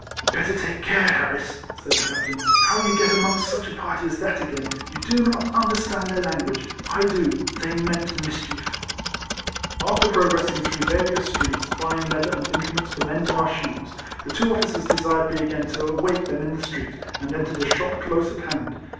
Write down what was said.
" Better take care, Harris," said the captain, "how you get amongst such a party as that again. You do not understand their language ; I do: they meant mischief." After progressing through various streets. RIFLEMAN HAERIS. 99 buying leather and implements for mending our shoes, the two officers desired me again to await them in the street, and entered a shop close at hand.